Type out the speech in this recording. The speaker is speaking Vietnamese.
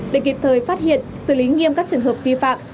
để kịp thời phát hiện xử lý nghiêm các trường hợp vi phạm